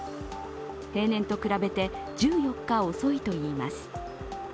平年と比べて１４日遅いといいます。